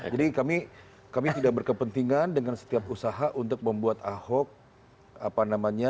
jadi kami tidak berkepentingan dengan setiap usaha untuk membuat ahok apa namanya